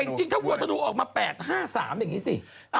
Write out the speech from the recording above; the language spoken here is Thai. แต่จริงถ้าวัวธนูออกมา๘๕๓อย่างนี้สิ